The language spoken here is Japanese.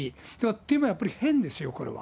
というのはやっぱり変ですよ、これは。